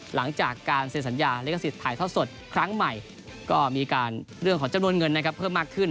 หลังจากการเศรษฐ์สัญญาและศิลป์ไทยท่อสดครั้งใหม่ก็มีเรื่องของจำนวนเงินเพิ่มมากขึ้น